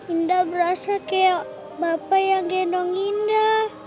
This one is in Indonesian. indah berasa kayak bapak yang gendong indah